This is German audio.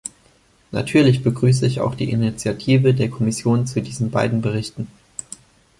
Natürlich begrüße ich auch die Initiative der Kommission zu diesen beiden Berichten.